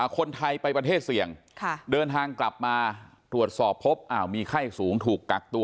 คนไทยไปประเทศเสี่ยงเดินทางกลับมาตรวจสอบพบมีไข้สูงถูกกักตัว